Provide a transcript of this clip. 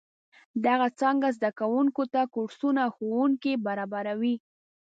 دغه څانګه زده کوونکو ته کورسونه او ښوونځي برابروي.